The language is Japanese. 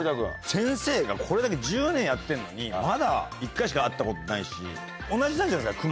先生がこれだけ、１０年やってるのに、まだ１回しか会ったことないし、同じじゃないんですか？